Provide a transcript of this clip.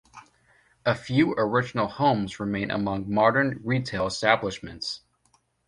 A few original homes remain among modern retail establishments.